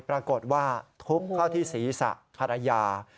ปรากฏว่าทุบเข้าที่ศีรษะภรรรยา